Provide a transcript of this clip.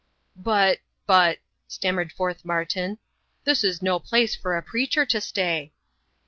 "But but," stammered forth Martin, "this is no place for a preacher to stay."